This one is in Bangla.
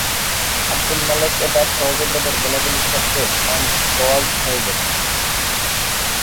আবদুল মালেক ও তার সহযোদ্ধাদের গোলাগুলির শব্দ কান-সওয়া হয়ে গেছে।